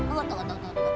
tunggu tunggu tunggu